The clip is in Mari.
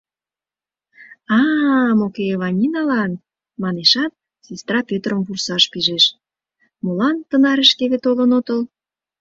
— А-а, Мокеева Ниналан... — манешат, сестра Пӧтырым вурсаш пижеш: молан тынарышкеве толын отыл?